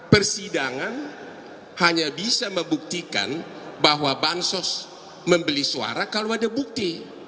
persidangan hanya bisa membuktikan bahwa bansos membeli suara kalau ada bukti